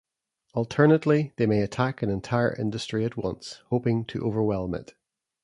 Alternately they may attack an entire industry at once, hoping to overwhelm it.